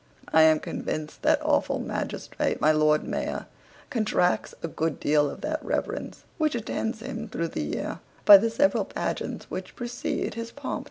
I am convinced that awful magistrate my lord mayor contracts a good deal of that reverence which attends him through the year, by the several pageants which precede his pomp.